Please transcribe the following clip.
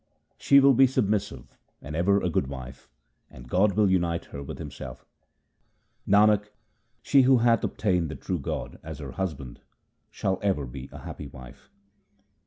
She will be submissive and ever a good wife, and God will unite her with Himself. Nanak, she who hath obtained the true God as her Hus band, shall ever be a happy wife.